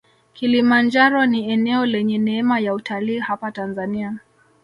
kilimanjaro ni eneo lenye neema ya utalii hapa tanzania